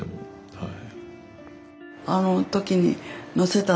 はい。